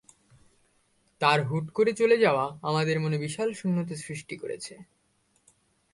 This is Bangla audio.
তার হুট করে চলে যাওয়া আমাদের মনে বিশাল শূন্যতা সৃষ্টি করেছে।